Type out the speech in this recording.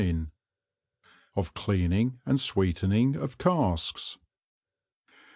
Of Cleaning and Sweetening of Casks.